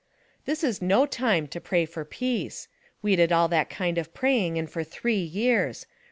This is no time to pray for peace ; we did all that kind of praying and for three years.